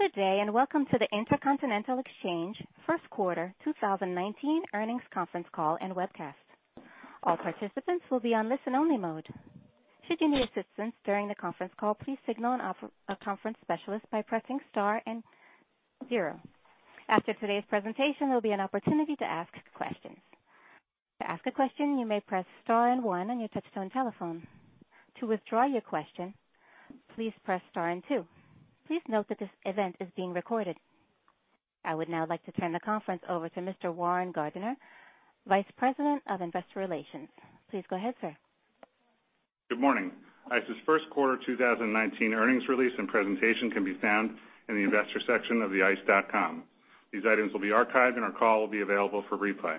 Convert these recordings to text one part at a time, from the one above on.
Good day. Welcome to the Intercontinental Exchange First Quarter 2019 Earnings Conference Call and Webcast. All participants will be on listen-only mode. Should you need assistance during the conference call, please signal a conference specialist by pressing star and 0. After today's presentation, there will be an opportunity to ask questions. To ask a question, you may press star and 1 on your touch-tone telephone. To withdraw your question, please press star and 2. Please note that this event is being recorded. I would now like to turn the conference over to Mr. Warren Gardiner, Vice President of Investor Relations. Please go ahead, sir. Good morning. ICE's first quarter 2019 earnings release and presentation can be found in the investor section of ice.com. These items will be archived. Our call will be available for replay.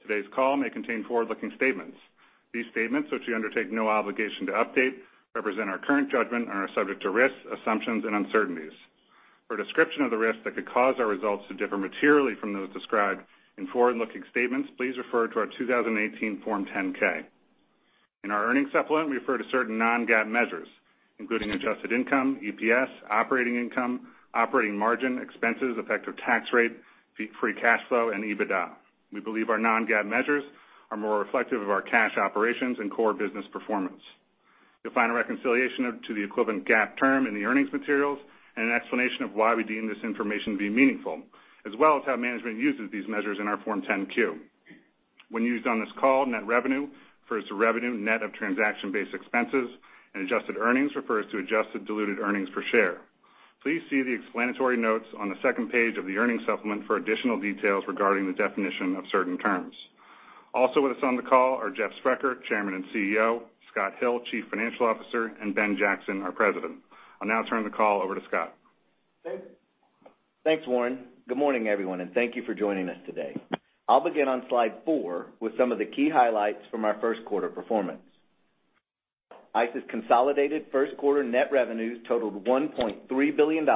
Today's call may contain forward-looking statements. These statements, which we undertake no obligation to update, represent our current judgment and are subject to risks, assumptions, and uncertainties. For a description of the risks that could cause our results to differ materially from those described in forward-looking statements, please refer to our 2018 Form 10-K. In our earnings supplement, we refer to certain non-GAAP measures, including adjusted income, EPS, operating income, operating margin, expenses, effective tax rate, free cash flow, and EBITDA. We believe our non-GAAP measures are more reflective of our cash operations and core business performance. You will find a reconciliation to the equivalent GAAP term in the earnings materials, and an explanation of why we deem this information to be meaningful, as well as how management uses these measures in our Form 10-Q. When used on this call, net revenue refers to revenue net of transaction-based expenses. Adjusted earnings refers to adjusted diluted earnings per share. Please see the explanatory notes on the second page of the earnings supplement for additional details regarding the definition of certain terms. Also with us on the call are Jeff Sprecher, Chairman and CEO, Scott Hill, Chief Financial Officer, and Ben Jackson, our President. I will now turn the call over to Scott. Thanks, Warren. Good morning, everyone. Thank you for joining us today. I will begin on slide four with some of the key highlights from our first quarter performance. ICE's consolidated first quarter net revenues totaled $1.3 billion,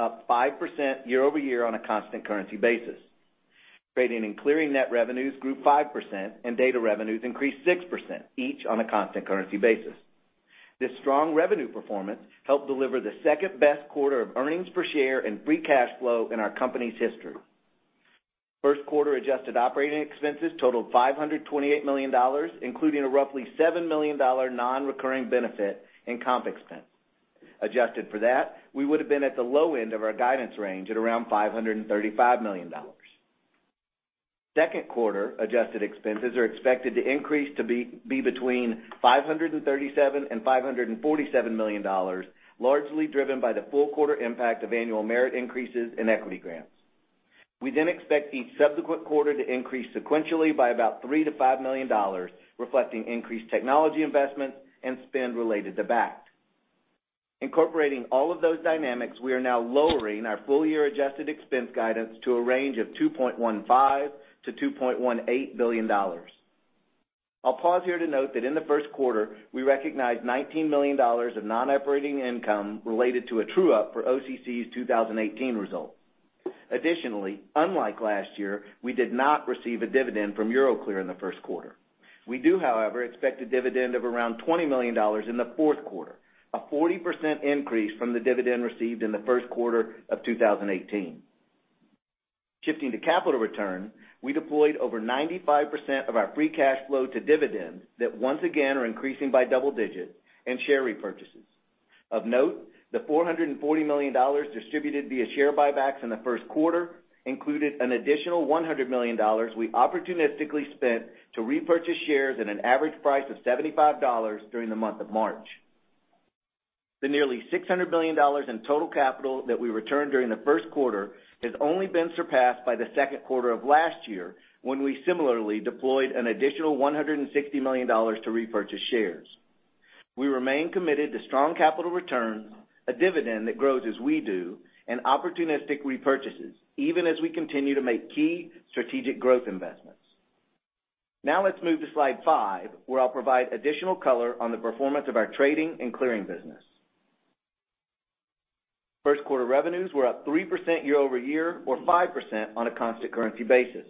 up 5% year-over-year on a constant currency basis. Trading and clearing net revenues grew 5%. Data revenues increased 6%, each on a constant currency basis. This strong revenue performance helped deliver the second-best quarter of earnings per share and free cash flow in our company's history. First quarter adjusted operating expenses totaled $528 million, including a roughly $7 million non-recurring benefit in comp expense. Adjusted for that, we would've been at the low end of our guidance range at around $535 million. Second quarter adjusted expenses are expected to increase to be between $537 million and $547 million, largely driven by the full quarter impact of annual merit increases and equity grants. We expect each subsequent quarter to increase sequentially by about $3 million-$5 million, reflecting increased technology investments and spend related to Bakkt. Incorporating all of those dynamics, we are now lowering our full-year adjusted expense guidance to a range of $2.15 billion-$2.18 billion. I'll pause here to note that in the first quarter, we recognized $19 million of non-operating income related to a true-up for OCC's 2018 results. Additionally, unlike last year, we did not receive a dividend from Euroclear in the first quarter. We do, however, expect a dividend of around $20 million in the fourth quarter, a 40% increase from the dividend received in the first quarter of 2018. Shifting to capital return, we deployed over 95% of our free cash flow to dividends that once again are increasing by double digits and share repurchases. Of note, the $440 million distributed via share buybacks in the first quarter included an additional $100 million we opportunistically spent to repurchase shares at an average price of $75 during the month of March. The nearly $600 million in total capital that we returned during the first quarter has only been surpassed by the second quarter of last year, when we similarly deployed an additional $160 million to repurchase shares. We remain committed to strong capital returns, a dividend that grows as we do, and opportunistic repurchases even as we continue to make key strategic growth investments. Let's move to slide five, where I'll provide additional color on the performance of our trading and clearing business. First quarter revenues were up 3% year-over-year or 5% on a constant currency basis.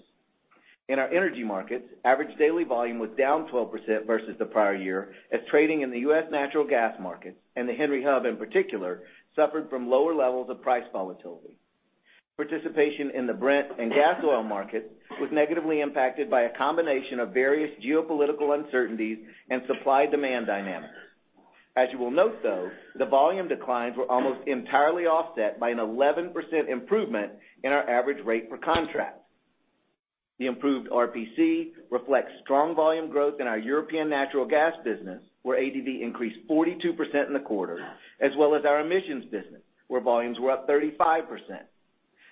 In our energy markets, average daily volume was down 12% versus the prior year as trading in the U.S. natural gas markets, and the Henry Hub in particular, suffered from lower levels of price volatility. Participation in the Brent and gas oil market was negatively impacted by a combination of various geopolitical uncertainties and supply-demand dynamics. As you will note, though, the volume declines were almost entirely offset by an 11% improvement in our average rate per contract. The improved RPC reflects strong volume growth in our European natural gas business, where ADV increased 42% in the quarter, as well as our emissions business, where volumes were up 35%.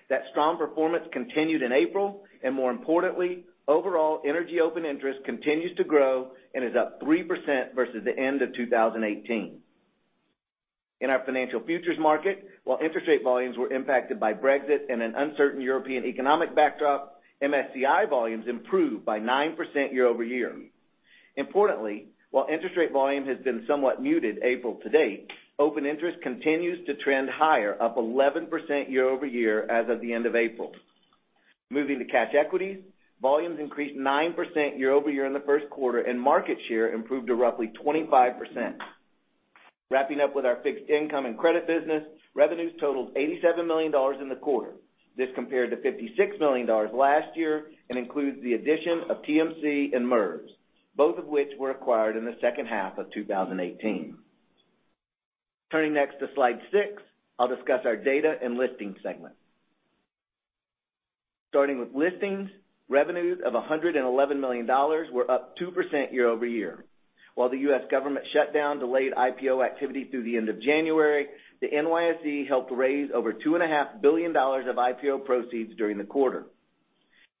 That strong performance continued in April. More importantly, overall energy open interest continues to grow and is up 3% versus the end of 2018. In our financial futures market, while interest rate volumes were impacted by Brexit and an uncertain European economic backdrop, MSCI volumes improved by 9% year-over-year. Importantly, while interest rate volume has been somewhat muted April to date, open interest continues to trend higher, up 11% year-over-year as of the end of April. Moving to cash equities. Volumes increased 9% year-over-year in the first quarter, and market share improved to roughly 25%. Wrapping up with our fixed income and credit business, revenues totaled $87 million in the quarter. This compared to $56 million last year and includes the addition of TMC and MERS, both of which were acquired in the second half of 2018. Turning next to slide six, I'll discuss our data and listing segment. Starting with listings, revenues of $111 million were up 2% year-over-year. While the U.S. government shutdown delayed IPO activity through the end of January, the NYSE helped raise over $2.5 billion of IPO proceeds during the quarter.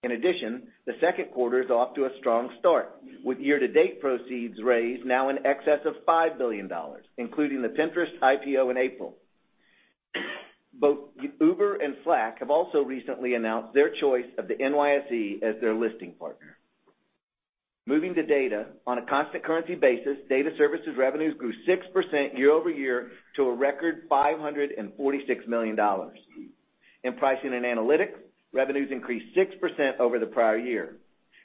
In addition, the second quarter is off to a strong start, with year-to-date proceeds raised now in excess of $5 billion, including the Pinterest IPO in April. Both Uber and Slack have also recently announced their choice of the NYSE as their listing partner. Moving to data. On a constant currency basis, data services revenues grew 6% year-over-year to a record $546 million. In pricing and analytics, revenues increased 6% over the prior year.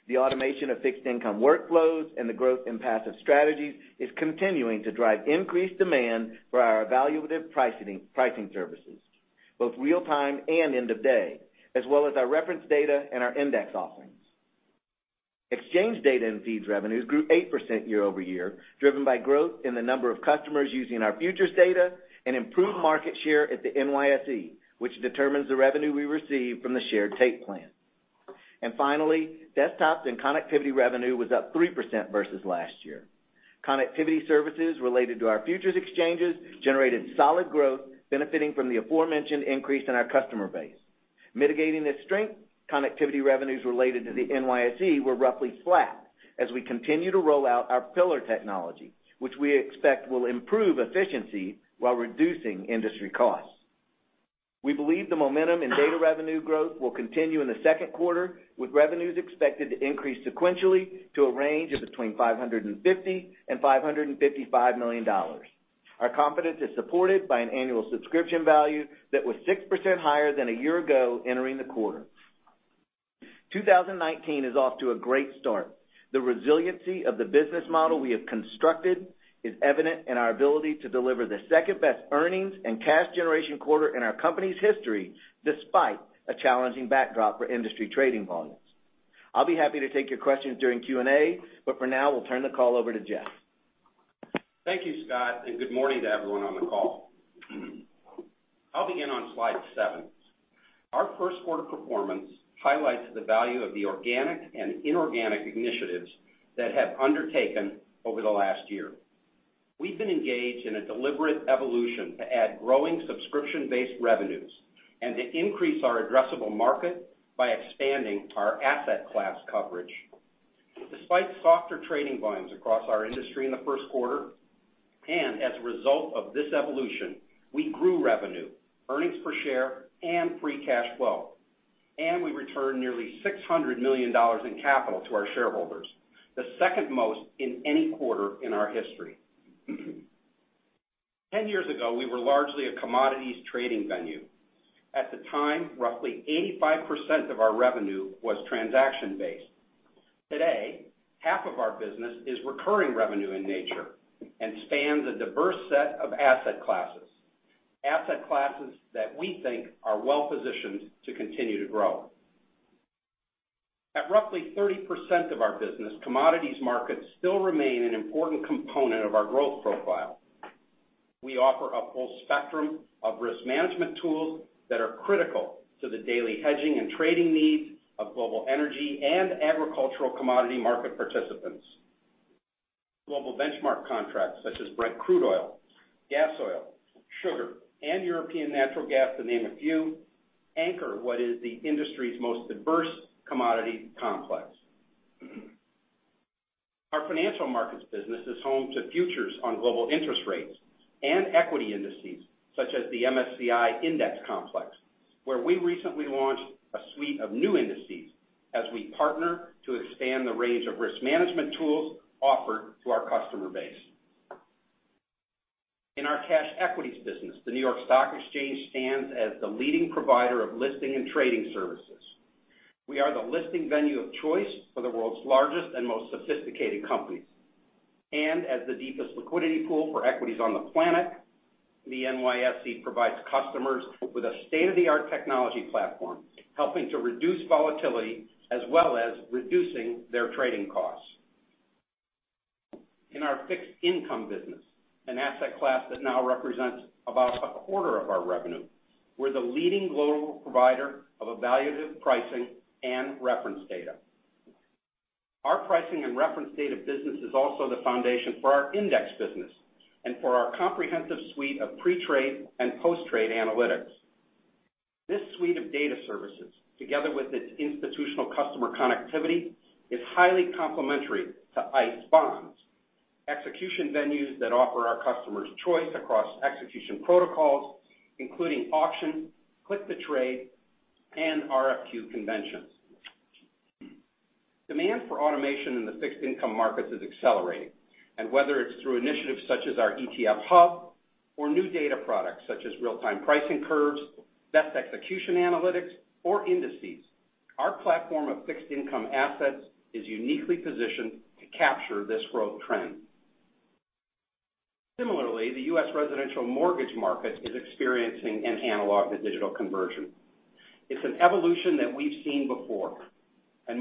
The automation of fixed income workflows and the growth in passive strategies is continuing to drive increased demand for our evaluative pricing services, both real-time and end-of-day, as well as our reference data and our index offerings. Exchange data and feeds revenues grew 8% year-over-year, driven by growth in the number of customers using our futures data and improved market share at the NYSE, which determines the revenue we receive from the shared tape plan. Finally, desktops and connectivity revenue was up 3% versus last year. Connectivity services related to our futures exchanges generated solid growth, benefiting from the aforementioned increase in our customer base. Mitigating this strength, connectivity revenues related to the NYSE were roughly flat as we continue to roll out our Pillar technology, which we expect will improve efficiency while reducing industry costs. We believe the momentum in data revenue growth will continue in the second quarter, with revenues expected to increase sequentially to a range of between $550 and $555 million. Our confidence is supported by an annual subscription value that was 6% higher than a year ago entering the quarter. 2019 is off to a great start. The resiliency of the business model we have constructed is evident in our ability to deliver the second-best earnings and cash generation quarter in our company's history, despite a challenging backdrop for industry trading volumes. I'll be happy to take your questions during Q&A, but for now, we'll turn the call over to Jeff. Thank you, Scott, good morning to everyone on the call. I'll begin on slide seven. Our first quarter performance highlights the value of the organic and inorganic initiatives that have undertaken over the last year. We've been engaged in a deliberate evolution to add growing subscription-based revenues and to increase our addressable market by expanding our asset class coverage. Despite softer trading volumes across our industry in the first quarter, as a result of this evolution, we grew revenue, earnings per share, and free cash flow, and we returned nearly $600 million in capital to our shareholders, the second most in any quarter in our history. 10 years ago, we were largely a commodities trading venue. At the time, roughly 85% of our revenue was transaction-based. Today, half of our business is recurring revenue in nature and spans a diverse set of asset classes. Asset classes that we think are well-positioned to continue to grow. At roughly 30% of our business, commodities markets still remain an important component of our growth profile. We offer a full spectrum of risk management tools that are critical to the daily hedging and trading needs of global energy and agricultural commodity market participants. Global benchmark contracts such as Brent Crude Oil, gas oil, sugar, and European Natural Gas, to name a few, anchor what is the industry's most diverse commodity complex. Our financial markets business is home to futures on global interest rates and equity indices such as the MSCI Index Complex, where we recently launched a suite of new indices as we partner to expand the range of risk management tools offered to our customer base. In our cash equities business, the New York Stock Exchange stands as the leading provider of listing and trading services. We are the listing venue of choice for the world's largest and most sophisticated companies. As the deepest liquidity pool for equities on the planet, the NYSE provides customers with a state-of-the-art technology platform, helping to reduce volatility as well as reducing their trading costs. In our fixed income business, an asset class that now represents about a quarter of our revenue, we're the leading global provider of evaluative pricing and reference data. Our pricing and reference data business is also the foundation for our index business and for our comprehensive suite of pre-trade and post-trade analytics. This suite of data services, together with its institutional customer connectivity, is highly complementary to ICE Bonds, execution venues that offer our customers choice across execution protocols, including auction, click to trade, and RFQ conventions. Demand for automation in the fixed income markets is accelerating. Whether it's through initiatives such as our ICE ETF Hub or new data products such as real-time pricing curves, best execution analytics, or indices, our platform of fixed income assets is uniquely positioned to capture this growth trend. Similarly, the U.S. residential mortgage market is experiencing an analog-to-digital conversion. It's an evolution that we've seen before.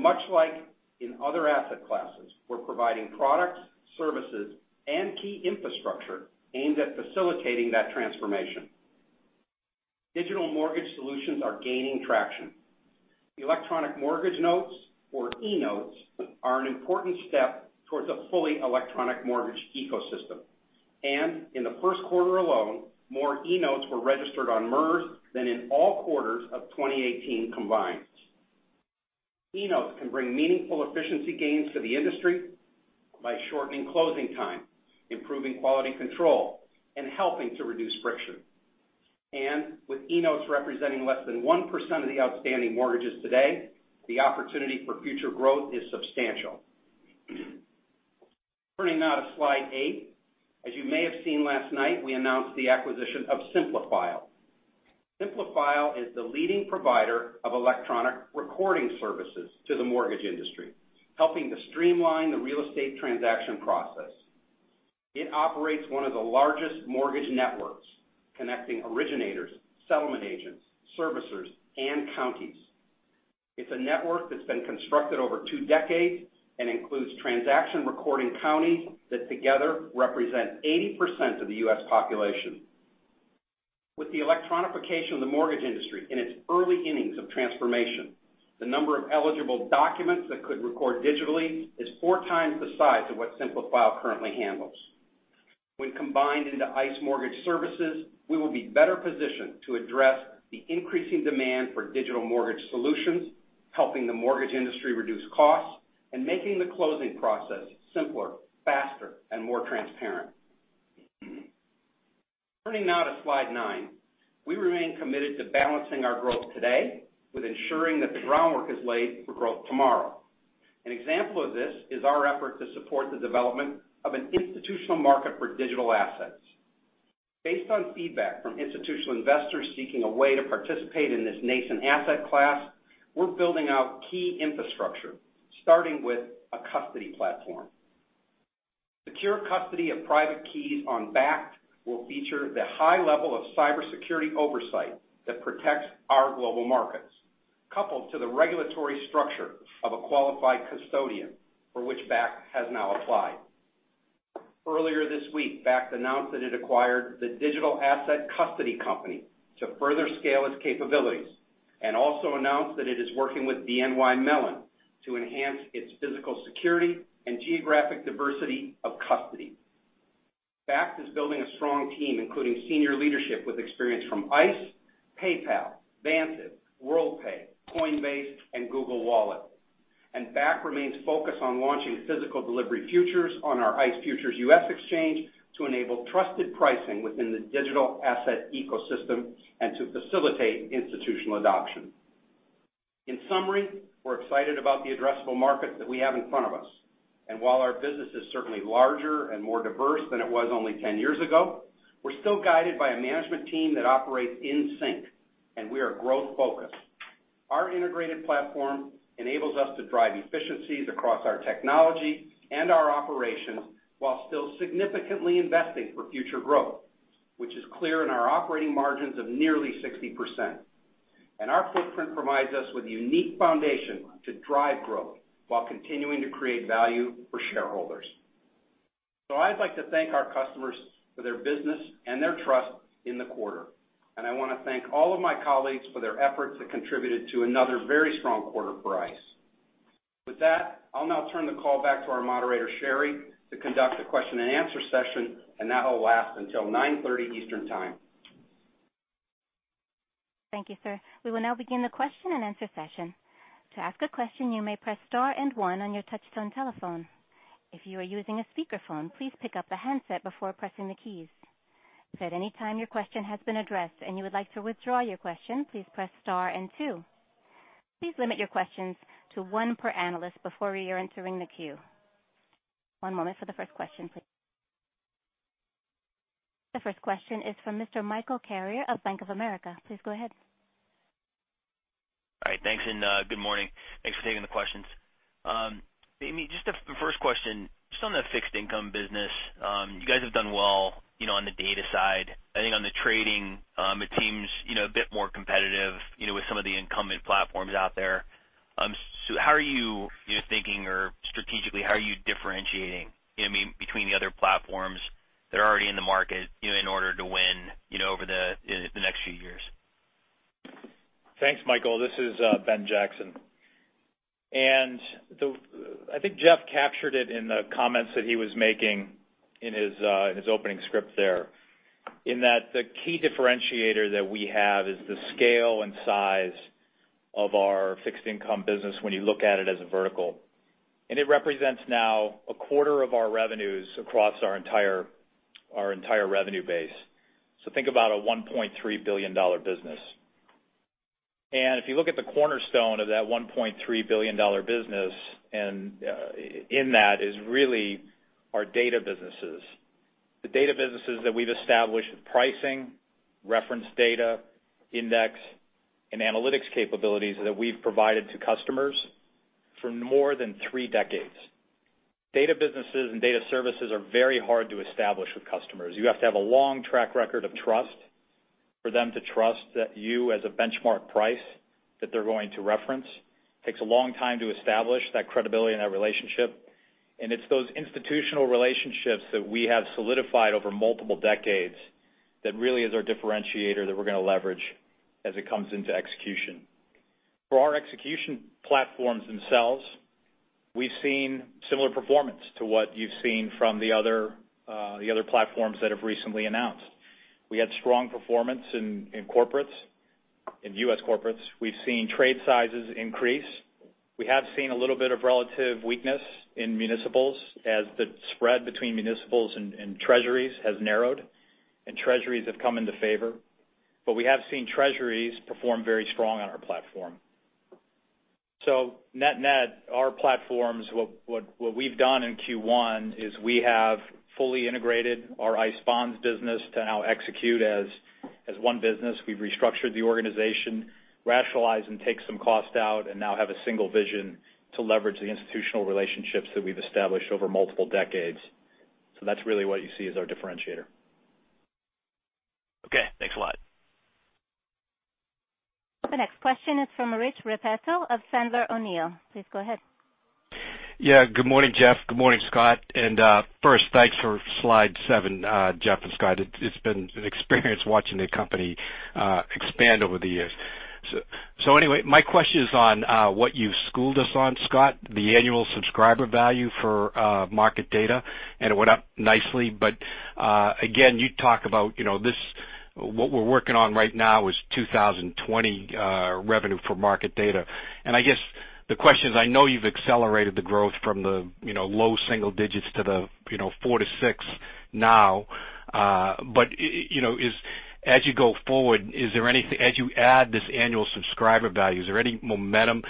Much like in other asset classes, we're providing products, services, and key infrastructure aimed at facilitating that transformation. Digital mortgage solutions are gaining traction. Electronic mortgage notes, or eNotes, are an important step towards a fully electronic mortgage ecosystem. In the first quarter alone, more eNotes were registered on MERS than in all quarters of 2018 combined. eNotes can bring meaningful efficiency gains to the industry by shortening closing time, improving quality control, and helping to reduce friction. With eNotes representing less than 1% of the outstanding mortgages today, the opportunity for future growth is substantial. Turning now to slide eight. As you may have seen last night, we announced the acquisition of Simplifile. Simplifile is the leading provider of electronic recording services to the mortgage industry, helping to streamline the real estate transaction process. It operates one of the largest mortgage networks, connecting originators, settlement agents, servicers, and counties. It's a network that's been constructed over two decades and includes transaction recording counties that together represent 80% of the U.S. population. With the electronification of the mortgage industry in its early innings of transformation, the number of eligible documents that could record digitally is four times the size of what Simplifile currently handles. When combined into ICE Mortgage Services, we will be better positioned to address the increasing demand for digital mortgage solutions, helping the mortgage industry reduce costs, and making the closing process simpler, faster, and more transparent. Turning now to slide nine. We remain committed to balancing our growth today with ensuring that the groundwork is laid for growth tomorrow. An example of this is our effort to support the development of an institutional market for digital assets. Based on feedback from institutional investors seeking a way to participate in this nascent asset class, we're building out key infrastructure, starting with a custody platform. Secure custody of private keys on Bakkt will feature the high level of cybersecurity oversight that protects our global markets, coupled to the regulatory structure of a qualified custodian, for which Bakkt has now applied. Earlier this week, Bakkt announced that it acquired the digital asset custody company to further scale its capabilities, also announced that it is working with BNY Mellon to enhance its physical security and geographic diversity of custody. Bakkt is building a strong team, including senior leadership with experience from ICE, PayPal, Vantiv, Worldpay, Coinbase, and Google Wallet. Bakkt remains focused on launching physical delivery futures on our ICE Futures U.S. exchange to enable trusted pricing within the digital asset ecosystem and to facilitate institutional adoption. In summary, we're excited about the addressable market that we have in front of us. While our business is certainly larger and more diverse than it was only 10 years ago, we're still guided by a management team that operates in sync, and we are growth-focused. Our integrated platform enables us to drive efficiencies across our technology and our operations while still significantly investing for future growth, which is clear in our operating margins of nearly 60%. Our footprint provides us with a unique foundation to drive growth while continuing to create value for shareholders. I'd like to thank our customers for their business and their trust in the quarter. I want to thank all of my colleagues for their efforts that contributed to another very strong quarter for ICE. With that, I'll now turn the call back to our moderator, Sheree, to conduct a question and answer session, and that will last until 9:30 A.M. Eastern Time. Thank you, sir. We will now begin the question and answer session. To ask a question, you may press star and one on your touch tone telephone. If you are using a speakerphone, please pick up the handset before pressing the keys. If at any time your question has been addressed and you would like to withdraw your question, please press star and two. Please limit your questions to one per analyst before we are entering the queue. One moment for the first question, please. The first question is from Mr. Michael Carrier of Bank of America. Please go ahead. All right. Thanks. Good morning. Thanks for taking the questions. Amy, just the first question, just on the fixed income business. You guys have done well on the data side. I think on the trading, it seems a bit more competitive with some of the incumbent platforms out there. How are you thinking or strategically how are you differentiating between the other platforms that are already in the market in order to win over the next few years? Thanks, Michael. This is Benjamin Jackson. I think Jeff captured it in the comments that he was making in his opening script there, in that the key differentiator that we have is the scale and size of our fixed income business when you look at it as a vertical. It represents now a quarter of our revenues across our entire revenue base. Think about a $1.3 billion business. If you look at the cornerstone of that $1.3 billion business, and in that is really our data businesses. The data businesses that we've established with pricing, reference data, index, and analytics capabilities that we've provided to customers for more than three decades. Data businesses and data services are very hard to establish with customers. You have to have a long track record of trust for them to trust that you as a benchmark price that they're going to reference. Takes a long time to establish that credibility and that relationship. It's those institutional relationships that we have solidified over multiple decades that really is our differentiator that we're going to leverage as it comes into execution. For our execution platforms themselves, we've seen similar performance to what you've seen from the other platforms that have recently announced. We had strong performance in corporates, in U.S. corporates. We've seen trade sizes increase. We have seen a little bit of relative weakness in municipals as the spread between municipals and treasuries has narrowed, and treasuries have come into favor. We have seen treasuries perform very strong on our platform. Net net, our platforms, what we've done in Q1 is we have fully integrated our ICE Bonds business to now execute as one business. We've restructured the organization, rationalized and take some cost out, and now have a single vision to leverage the institutional relationships that we've established over multiple decades. That's really what you see as our differentiator. Okay, thanks a lot. The next question is from Rich Repetto of Sandler O'Neill. Please go ahead. Yeah. Good morning, Jeff. Good morning, Scott. First, thanks for slide seven, Jeff and Scott. It's been an experience watching the company expand over the years. Anyway, my question is on what you schooled us on, Scott, the annual subscriber value for market data, and it went up nicely. Again, you talk about what we're working on right now is 2020 revenue for market data. I guess the question is, I know you've accelerated the growth from the low single digits to the four to six now. But as you go forward, as you add this annual subscriber value, is there any momentum,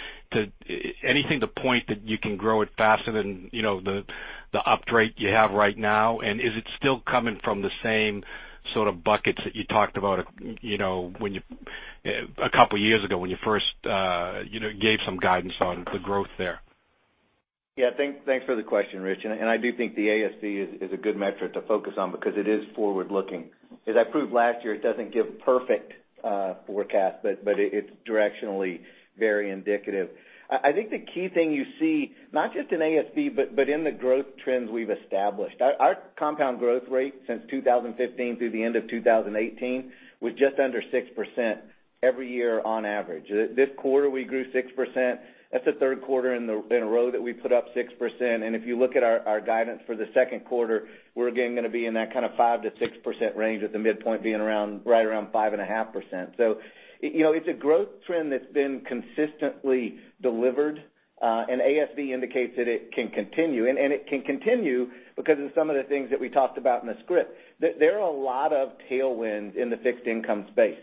anything to point that you can grow it faster than the upright you have right now? Is it still coming from the same sort of buckets that you talked about a couple of years ago when you first gave some guidance on the growth there? Thanks for the question, Rich. I do think the ASV is a good metric to focus on because it is forward-looking. As I proved last year, it doesn't give perfect forecast, but it's directionally very indicative. I think the key thing you see, not just in ASV, but in the growth trends we've established. Our compound growth rate since 2015 through the end of 2018, was just under 6% every year on average. This quarter, we grew 6%. That's the third quarter in a row that we put up 6%. If you look at our guidance for the second quarter, we're again going to be in that kind of 5%-6% range with the midpoint being right around 5.5%. It's a growth trend that's been consistently delivered, and ASV indicates that it can continue. It can continue because of some of the things that we talked about in the script. There are a lot of tailwinds in the fixed income space.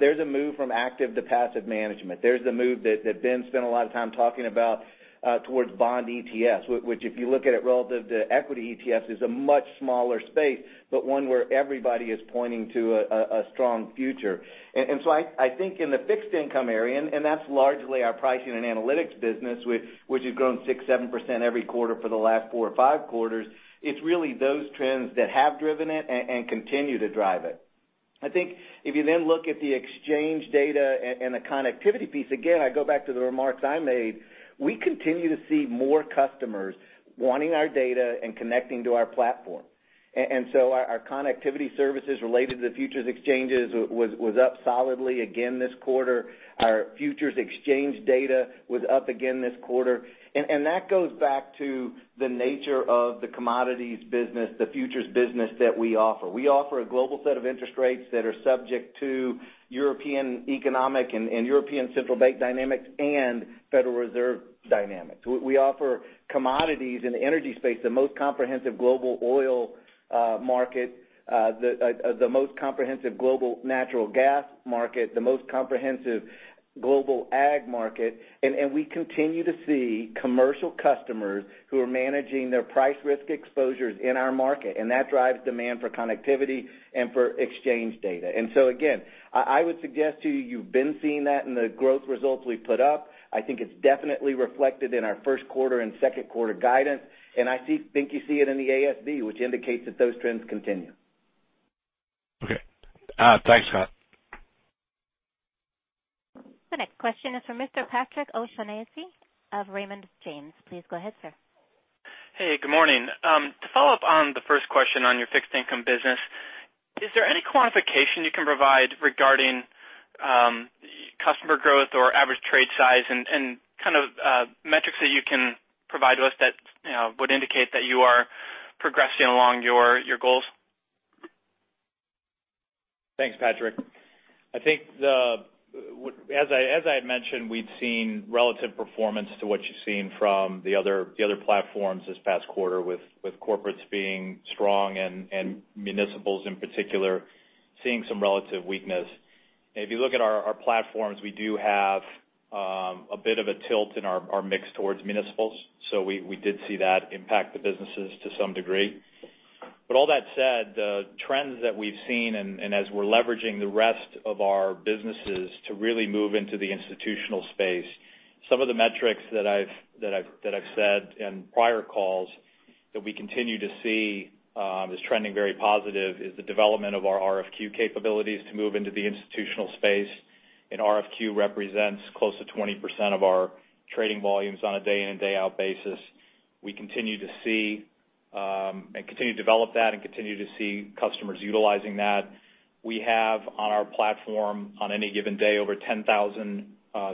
There's a move from active to passive management. There's the move that Ben spent a lot of time talking about, towards bond ETFs, which if you look at it relative to equity ETFs, is a much smaller space, but one where everybody is pointing to a strong future. I think in the fixed income area, and that's largely our pricing and analytics business, which has grown 6%, 7% every quarter for the last four or five quarters. It's really those trends that have driven it and continue to drive it. If you look at the exchange data and the connectivity piece, again, I go back to the remarks I made. We continue to see more customers wanting our data and connecting to our platform. Our connectivity services related to the futures exchanges was up solidly again this quarter. Our futures exchange data was up again this quarter. That goes back to the nature of the commodities business, the futures business that we offer. We offer a global set of interest rates that are subject to European economic and European central bank dynamics and Federal Reserve dynamics. We offer commodities in the energy space, the most comprehensive global oil market, the most comprehensive global natural gas market, the most comprehensive global ag market. We continue to see commercial customers who are managing their price risk exposures in our market, and that drives demand for connectivity and for exchange data. Again, I would suggest to you've been seeing that in the growth results we've put up. I think it's definitely reflected in our first quarter and second quarter guidance. I think you see it in the ASV, which indicates that those trends continue. Okay. Thanks, Scott. The next question is from Mr. Patrick O'Shaughnessy of Raymond James. Please go ahead, sir. Good morning, follow up on the first question on the fixed income business. Is there any quantification you can provide regarding customer growth or average trade size and metrics that you can provide to us that would indicate thet you are progressing along your goals? Thanks, Patrick. I think as I had mentioned, we've seen relative performance to what you've seen from the other platforms this past quarter with corporates being strong and municipals in particular, seeing some relative weakness. If you look at our platforms, we do have a bit of a tilt in our mix towards municipals, so we did see that impact the businesses to some degree. All that said, the trends that we've seen and as we're leveraging the rest of our businesses to really move into the institutional space, some of the metrics that I've said in prior calls that we continue to see is trending very positive is the development of our RFQ capabilities to move into the institutional space. An RFQ represents close to 20% of our trading volumes on a day in and day out basis. We continue to see, continue to develop that, and continue to see customers utilizing that. We have, on our platform, on any given day, over 10,000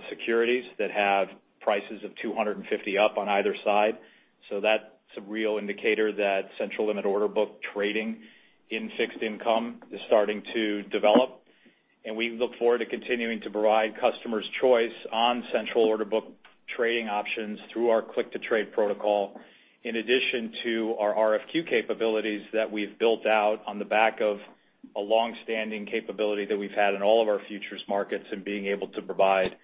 securities that have prices of 250 up on either side. That's a real indicator that central limit order book trading in fixed income is starting to develop. We look forward to continuing to provide customers choice on central order book trading options through our click to trade protocol, in addition to our RFQ capabilities that we've built out on the back of a longstanding capability that we've had in all of our futures markets, and being able to provide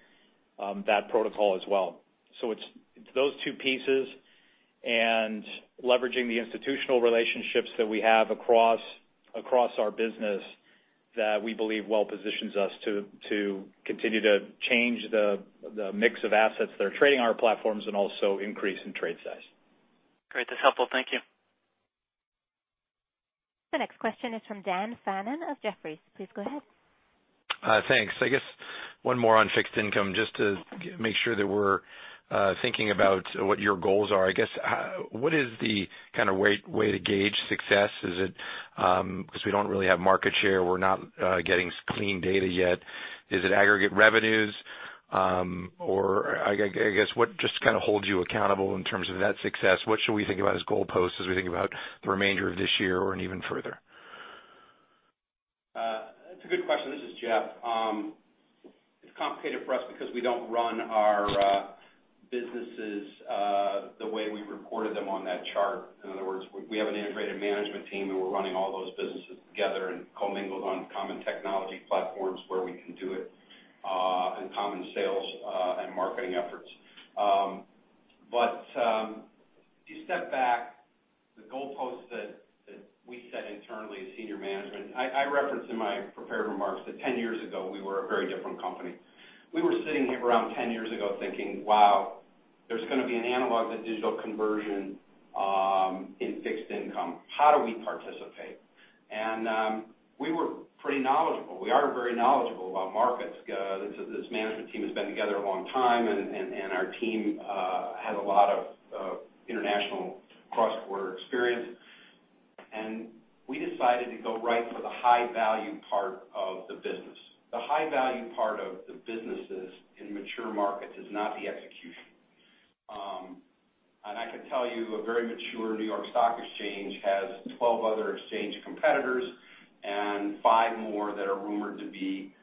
that protocol as well. It's those two pieces and leveraging the institutional relationships that we have across our business that we believe well positions us to continue to change the mix of assets that are trading on our platforms and also increase in trade size. Great. That's helpful. Thank you. The next question is from Daniel Fannon of Jefferies. Please go ahead. Thanks. I guess one more on fixed income, just to make sure that we're thinking about what your goals are. I guess, what is the way to gauge success? Is it because we don't really have market share, we're not getting clean data yet. Is it aggregate revenues? Or I guess, what just holds you accountable in terms of that success? What should we think about as goalposts as we think about the remainder of this year or even further? That's a good question. This is Jeff. It's complicated for us because we don't run our businesses the way we reported them on that chart. In other words, we have an integrated management team, and we're running all those businesses together and commingled on common technology platforms where we can do it, and common sales and marketing efforts. If you step back, the goalposts that we set internally as senior management, I referenced in my prepared remarks that 10 years ago, we were a very different company. We were sitting here around 10 years ago thinking, "Wow, there's going to be an analog to digital conversion in fixed income. How do we participate?" We were pretty knowledgeable. We are very knowledgeable about markets. This management team has been together a long time, and our team has a lot of international cross-border experience. We decided to go right for the high-value part of the business. The high-value part of the businesses in mature markets is not the execution. I can tell you, a very mature New York Stock Exchange has 12 other exchange competitors and five more that are rumored to be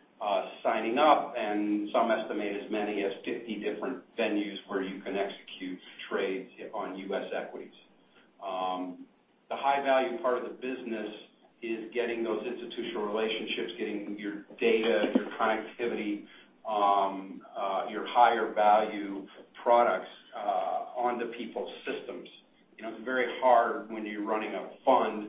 signing up, and some estimate as many as 50 different venues where you can execute trades on U.S. equities. The high-value part of the business is getting those institutional relationships, getting your data, your connectivity, your higher value products onto people's systems. It's very hard when you're running a fund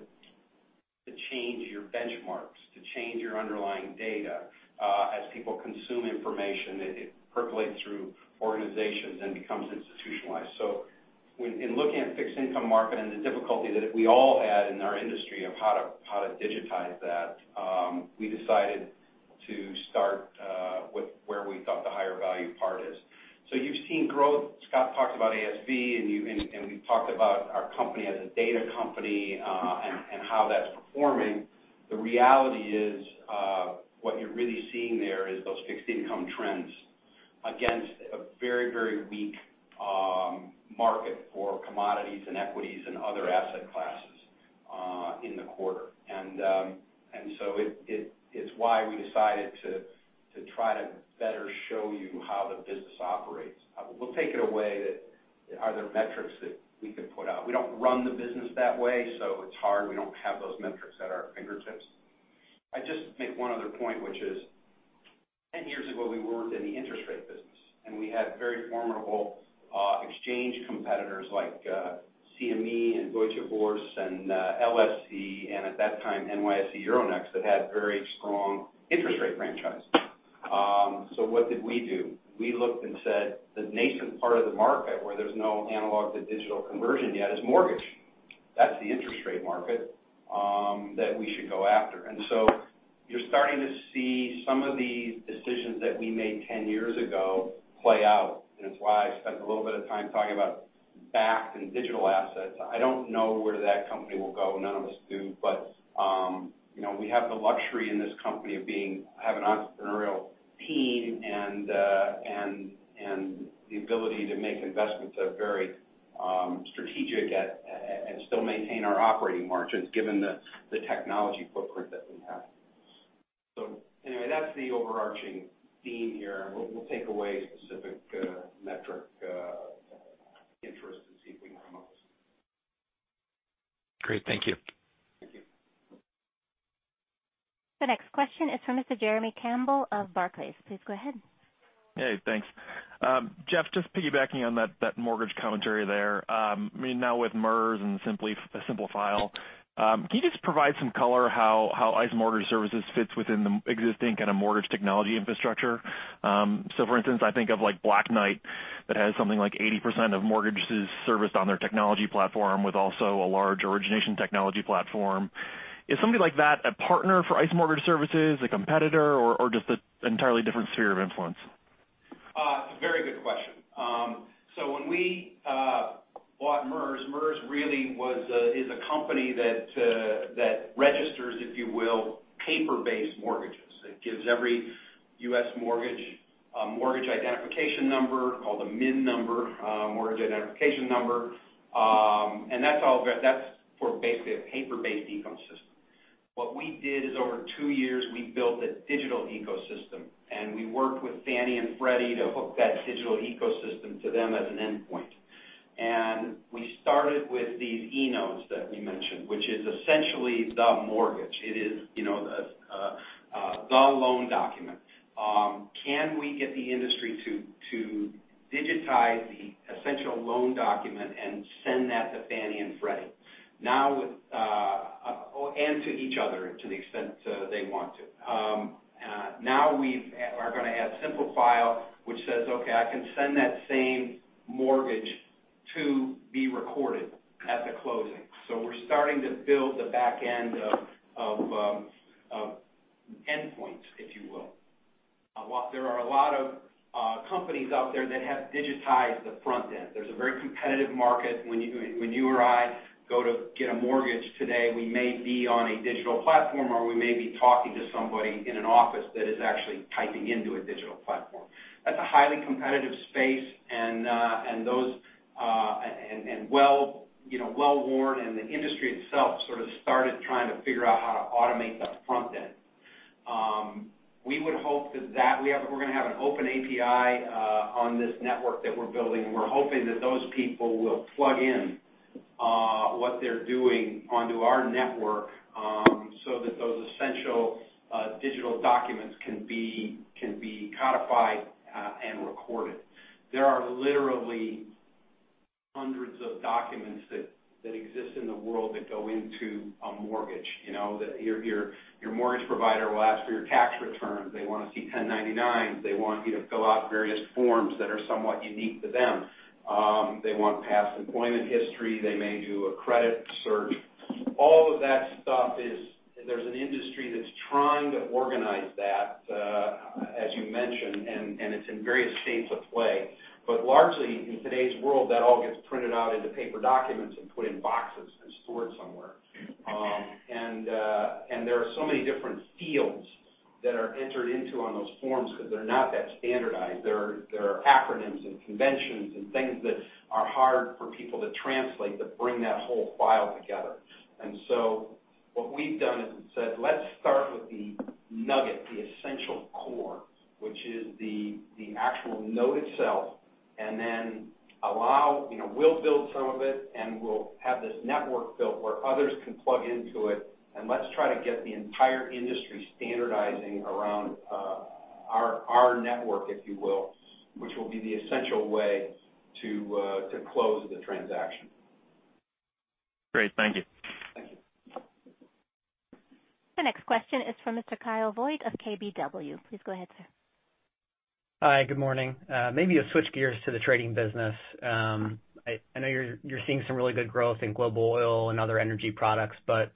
to change your benchmarks, to change your underlying data. As people consume information, it percolates through organizations and becomes institutionalized. In looking at the fixed income market and the difficulty that we all had in our industry of how to digitize that, we decided to start where we thought the higher value part is. You've seen growth. Scott talked about ASV, and we've talked about our company as a data company and how that's performing. The reality is, what you're really seeing there is those fixed income trends against a very, very weak market for commodities and equities and other asset classes in the quarter. It's why we decided to try to better show you how the business operates. We'll take it away that are there metrics that we could put out. We don't run the business that way, so it's hard. We don't have those metrics at our fingertips. I'd just make one other point, which is 10 years ago, we weren't in the interest rate business, and we had very formidable exchange competitors like CME and Deutsche Börse and LSE and, at that time, NYSE Euronext, that had very strong interest rate franchises. What did we do? We looked and said, "The nascent part of the market where there's no analog to digital conversion yet is mortgage. That's the interest rate market that we should go after." You're starting to see some of these decisions that we made 10 years ago play out, and it's why I spent a little bit of time talking about Bakkt and digital assets. I don't know where that company will go. None of us do. We have the luxury in this company of having an entrepreneurial team and the ability to make investments that are very strategic and still maintain our operating margins given the technology footprint that we have. Anyway, that's the overarching theme here, and we'll take away specific metric interest and see if we can Great. Thank you. Thank you. The next question is from Mr. Jeremy Campbell of Barclays. Please go ahead. Hey, thanks, Jeff. Just piggybacking on that mortgage commentary there, now with MERS and Simplifile, can you just provide some color how ICE Mortgage Services fits within the existing mortgage technology infrastructure? For instance, I think of Black Knight that has something like 80% of mortgages serviced on their technology platform with also a large origination technology platform. Is something like that a partner for ICE Mortgage Services, a competitor, or just an entirely different sphere of influence? Very good question. When we bought MERS really is a company that registers, if you will, paper-based mortgages. It gives every U.S. mortgage a mortgage identification number called a MIN number, mortgage identification number, and that's for a paper-based ecosystem. What we did is over two years, we built a digital ecosystem, and we worked with Fannie and Freddie to hook that digital ecosystem to them as an endpoint. We started with these eNotes that we mentioned, which is essentially the mortgage. It is the loan document. Can we get the industry to digitize the essential loan document and send that to Fannie and Freddie, and to each other to the extent they want to? Now we are going to add Simplifile, which says, "Okay, I can send that same mortgage to be recorded at the closing." We're starting to build the back end of endpoints, if you will. There are a lot of companies out there that have digitized the front end. There's a very competitive market. When you or I go to get a mortgage today, we may be on a digital platform, or we may be talking to somebody in an office that is actually typing into a digital platform. That's a highly competitive space and well worn, the industry itself sort of started trying to figure out how to automate the front end. We're going to have an open API on this network that we're building, we're hoping that those people will plug in what they're doing onto our network so that those essential digital documents can be codified and recorded. There are literally hundreds of documents that exist in the world that go into a mortgage. Your mortgage provider will ask for your tax return. They want to see 1099s. They want you to fill out various forms that are somewhat unique to them. They want past employment history. They may do a credit search. All of that stuff, there's an industry that's trying to organize that, as you mentioned, it's in various states of play. Largely in today's world, that all gets printed out into paper documents and put in boxes and stored somewhere. There are so many different fields that are entered into on those forms because they're not that standardized. There are acronyms and conventions and things that are hard for people to translate to bring that whole file together. What we've done is said, "Let's start with the nugget, the essential core, which is the actual note itself, and then we'll build some of it, and we'll have this network built where others can plug into it, and let's try to get the entire industry standardizing around our network, if you will, which will be the essential way to close the transaction. Great. Thank you. Thank you. The next question is from Mr. Kyle Voigt of KBW. Please go ahead, sir. Hi, good morning. Maybe to switch gears to the trading business. I know you're seeing some really good growth in global oil and other energy products, but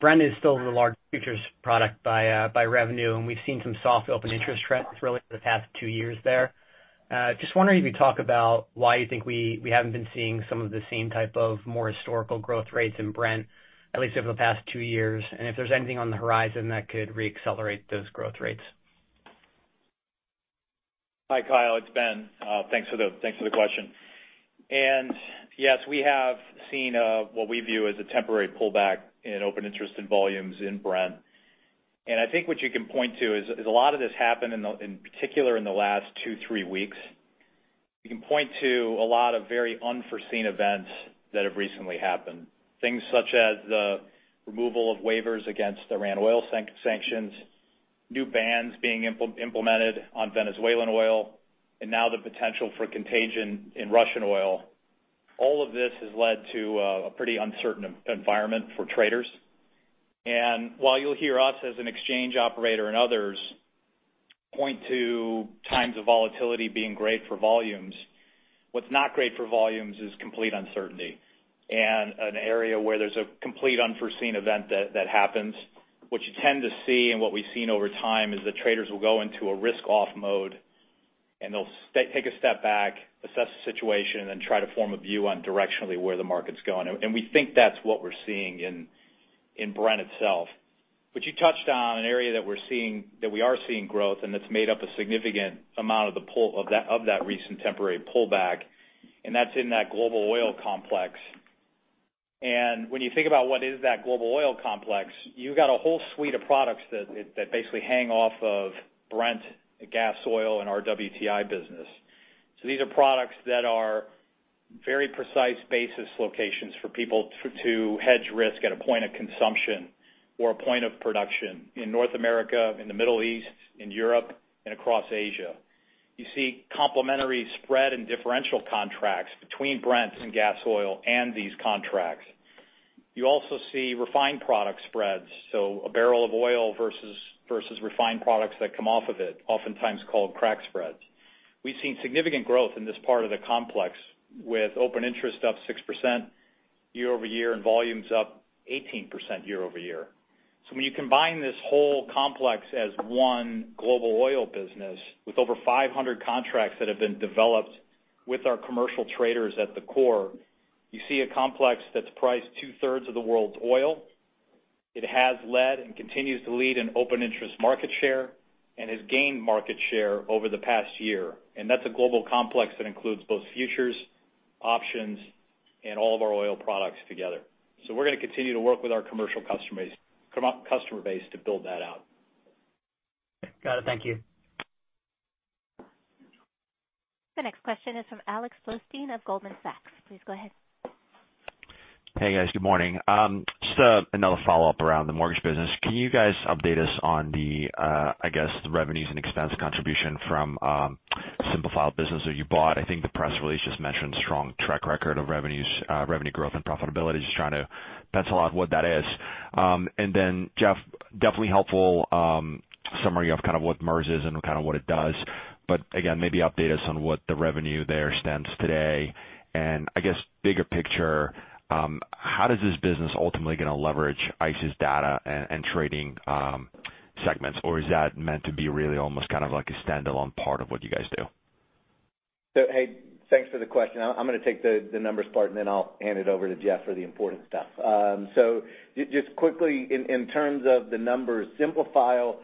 Brent is still the largest futures product by revenue, and we've seen some soft open interest trends really for the past two years there. Just wondering if you could talk about why you think we haven't been seeing some of the same type of more historical growth rates in Brent, at least over the past two years, and if there's anything on the horizon that could re-accelerate those growth rates. Hi, Kyle. It's Ben. Thanks for the question. Yes, we have seen what we view as a temporary pullback in open interest and volumes in Brent. I think what you can point to is a lot of this happened in particular in the last two, three weeks. You can point to a lot of very unforeseen events that have recently happened. Things such as the removal of waivers against Iran oil sanctions, new bans being implemented on Venezuelan oil, and now the potential for contagion in Russian oil. All of this has led to a pretty uncertain environment for traders. While you'll hear us as an exchange operator and others point to times of volatility being great for volumes, what's not great for volumes is complete uncertainty and an area where there's a complete unforeseen event that happens. What you tend to see and what we've seen over time is that traders will go into a risk-off mode, and they'll take a step back, assess the situation, and then try to form a view on directionally where the market's going. We think that's what we're seeing in Brent itself. You touched on an area that we are seeing growth, and that's made up a significant amount of that recent temporary pullback, and that's in that global oil complex. When you think about what is that global oil complex, you've got a whole suite of products that basically hang off of Brent, gas oil, and our WTI business. These are products that are very precise basis locations for people to hedge risk at a point of consumption or a point of production in North America, in the Middle East, in Europe, and across Asia. You see complementary spread and differential contracts between Brent and gas oil and these contracts. You also see refined product spreads, so a barrel of oil versus refined products that come off of it, oftentimes called crack spreads. We've seen significant growth in this part of the complex, with open interest up 6% year-over-year and volumes up 18% year-over-year. When you combine this whole complex as one global oil business with over 500 contracts that have been developed with our commercial traders at the core, you see a complex that's priced two-thirds of the world's oil. It has led and continues to lead in open interest market share and has gained market share over the past year. That's a global complex that includes both futures, options, and all of our oil products together. We're going to continue to work with our commercial customer base to build that out. Got it. Thank you. The next question is from Alex Blostein of Goldman Sachs. Please go ahead. Hey, guys. Good morning. Just another follow-up around the mortgage business. Can you guys update us on the, I guess, revenues and expense contribution from Simplifile business that you bought? I think the press release just mentioned strong track record of revenue growth and profitability. Just trying to pencil out what that is. Then, Jeff, definitely helpful summary of kind of what MERS is and kind of what it does. Again, maybe update us on what the revenue there stands today. I guess, bigger picture, how does this business ultimately going to leverage ICE's data and trading segments? Or is that meant to be really almost kind of like a standalone part of what you guys do? Hey, thanks for the question. I'm going to take the numbers part, and then I'll hand it over to Jeff for the important stuff. Just quickly, in terms of the numbers, Simplifile,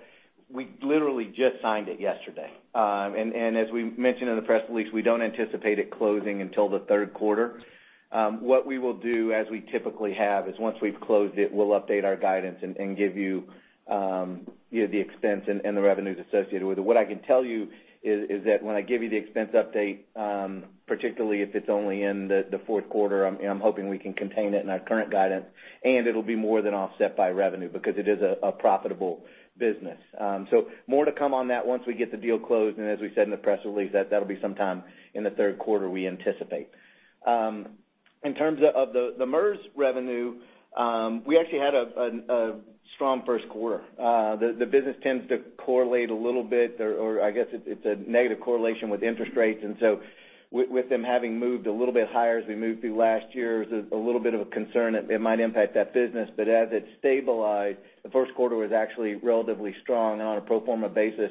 we literally just signed it yesterday. As we mentioned in the press release, we don't anticipate it closing until the third quarter. What we will do, as we typically have, is once we've closed it, we'll update our guidance and give you the expense and the revenues associated with it. What I can tell you is that when I give you the expense update, particularly if it's only in the fourth quarter, I'm hoping we can contain it in our current guidance, and it'll be more than offset by revenue because it is a profitable business. More to come on that once we get the deal closed, and as we said in the press release, that'll be sometime in the third quarter, we anticipate. In terms of the MERS revenue, we actually had a strong first quarter. The business tends to correlate a little bit, or I guess it's a negative correlation with interest rates. With them having moved a little bit higher as we moved through last year, there's a little bit of a concern that it might impact that business. As it stabilized, the first quarter was actually relatively strong on a pro forma basis,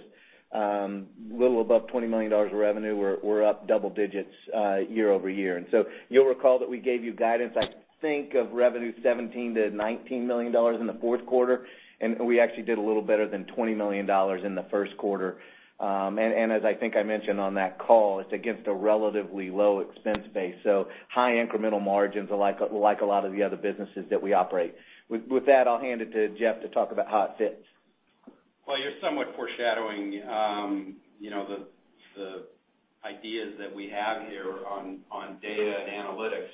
a little above $20 million of revenue. We're up double digits year-over-year. You'll recall that we gave you guidance, I think, of revenue $17 million to $19 million in the fourth quarter, and we actually did a little better than $20 million in the first quarter. As I think I mentioned on that call, it's against a relatively low expense base. High incremental margins, like a lot of the other businesses that we operate. With that, I'll hand it to Jeff to talk about how it fits. You're somewhat foreshadowing the ideas that we have here on data and analytics.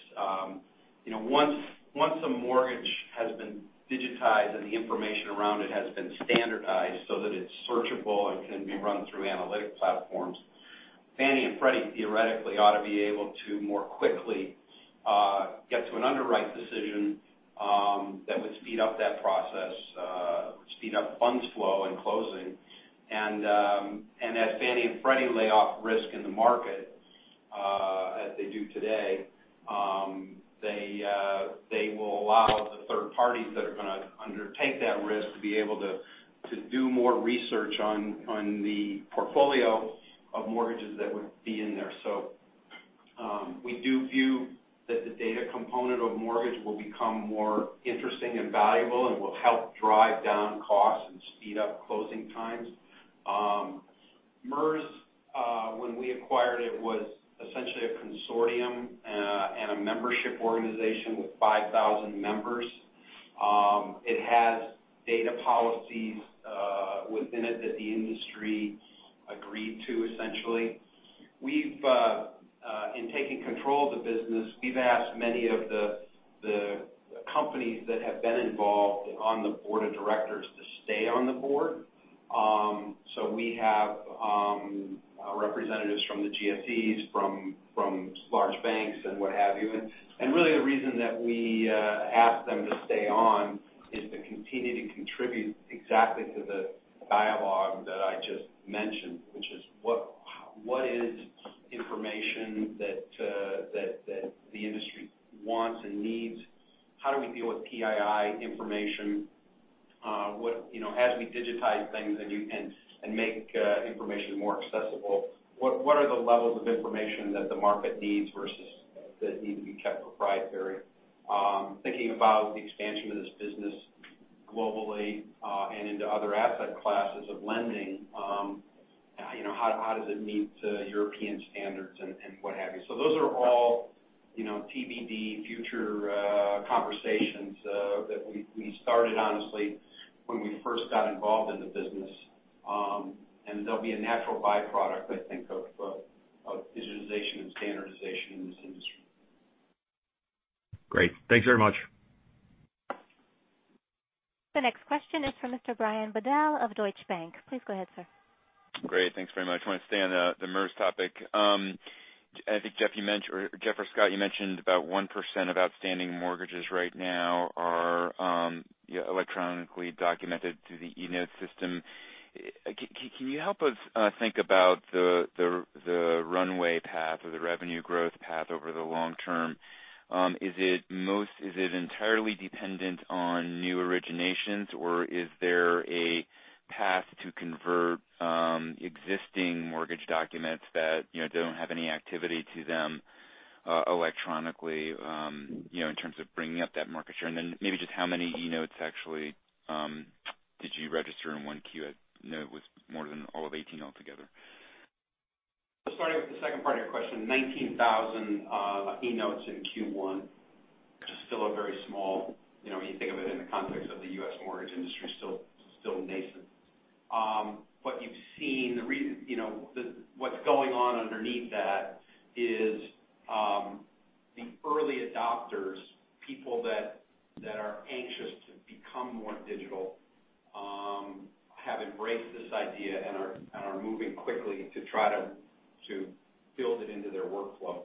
Once a mortgage has been digitized and the information around it has been standardized so that it's searchable and can be run through analytic platforms, Fannie Mae and Freddie Mac theoretically ought to be able to more quickly get to an underwrite decision that would speed up that process, speed up funds flow and closing. As Fannie Mae and Freddie Mac lay off risk in the market, as they do today, they will allow the third parties that are going to undertake that risk to be able to do more research on the portfolio of mortgages that would be in there. We do view that the data component of mortgage will become more interesting and valuable and will help drive down costs and speed up closing times. MERS, when we acquired it, was essentially a consortium and a membership organization with 5,000 members. It has data policies within it that the industry agreed to, essentially. In taking control of the business, we've asked many of the companies that have been involved on the board of directors to stay on the board. We have representatives from the GSEs, from large banks, and what have you. Really the reason that we ask them to stay on is to continue to contribute exactly to the dialogue that I just mentioned, which is what is information that the industry wants and needs? How do we deal with PII information? As we digitize things and make information more accessible, what are the levels of information that the market needs versus that need to be kept proprietary? Thinking about the expansion of this business globally and into other asset classes of lending, how does it meet European standards and Those are all TBD future conversations that we started honestly when we first got involved in the business. They'll be a natural byproduct, I think, of digitization and standardization in this industry. Great. Thanks very much. The next question is for Mr. Brian Bedell of Deutsche Bank. Please go ahead, sir. Great. Thanks very much. I want to stay on the MERS topic. I think, Jeff or Scott, you mentioned about 1% of outstanding mortgages right now are electronically documented through the eNote system. Can you help us think about the runway path or the revenue growth path over the long term? Is it entirely dependent on new originations, or is there a path to convert existing mortgage documents that don't have any activity to them electronically, in terms of bringing up that market share? Maybe just how many eNotes actually did you register in 1Q? I know it was more than all of 2018 altogether. Starting with the second part of your question, 19,000 eNotes in Q1, which is still a very small, when you think of it in the context of the U.S. mortgage industry, still nascent. What's going on underneath that is the early adopters, people that are anxious to become more digital, have embraced this idea and are moving quickly to try to build it into their workflow.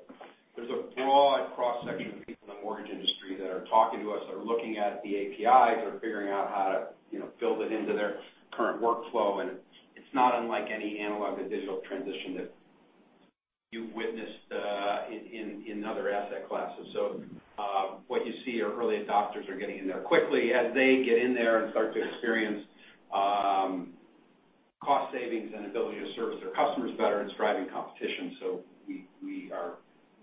There's a broad cross-section of people in the mortgage industry that are talking to us, that are looking at the APIs. They're figuring out how to build it into their current workflow, it's not unlike any analog to digital transition that you've witnessed in other asset classes. What you see are early adopters are getting in there quickly. As they get in there and start to experience cost savings and ability to service their customers better, it's driving competition. We are